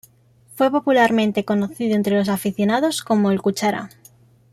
Fue popularmente conocido entre los aficionados como "el cuchara".